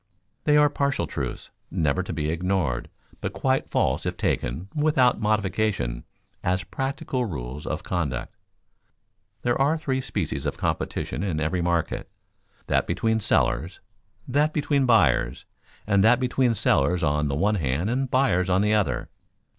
They are partial truths, never to be ignored, but quite false if taken, without modification, as practical rules of conduct. There are three species of competition in every market: that between sellers, that between buyers, and that between sellers on the one hand and buyers on the other.